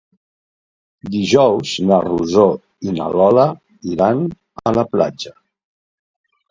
Dijous na Rosó i na Lola iran a la platja.